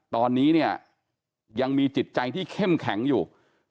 ตอนนี้เนี่ยยังมีจิตใจที่เข้มแข็งอยู่